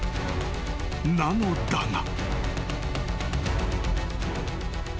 ［なのだが］